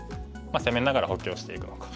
攻めながら補強していくのか。